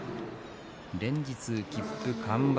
連日切符は完売。